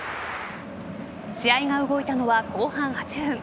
試合が動いたのは後半８分。